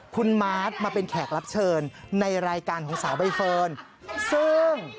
คุณมาร์ทมาเป็นแขกรับเชิญในรายการของสาวใบเฟิร์นซึ่ง